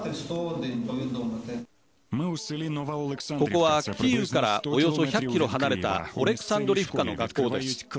ここはキーウからおよそ１００キロ離れたオレクサンドリフカの学校です。